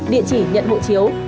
địa chỉ nhận hộ chiếu